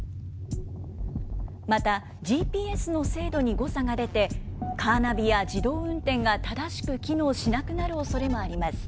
また、ＧＰＳの精度に誤差が出て、カーナビや自動運転が正しく機能しなくなるおそれもあります。